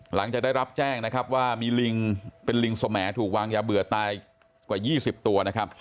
หลังจากได้รับแจ้งนะครับว่ามีลิงเป็นลิงสมแอถูกวางยาเบื่อตายกว่า๒๐ตัวนะครับ